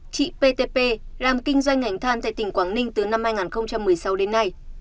chị ptp làm kinh doanh ngành than tại tỉnh quảng ninh từ năm hai nghìn một mươi sáu đến nay